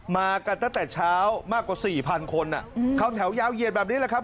มากันตั้งแต่เช้ามากกว่า๔๐๐คนเข้าแถวยาวเหยียดแบบนี้แหละครับ